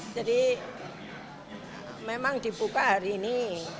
jadi memang dibuka hari ini